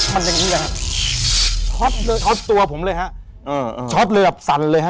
มันอย่างนี้แหละครับช็อตตัวผมเลยฮะช็อตเลยแบบสั่นเลยฮะ